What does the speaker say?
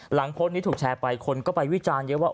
หลังโพสต์นี้ถูกแชร์ไปคนก็ไปวิจารณ์เยอะว่า